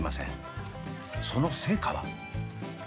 その成果は。